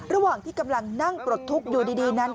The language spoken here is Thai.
ระหว่างที่กำลังนั่งปลดทุกข์อยู่ดีนั้น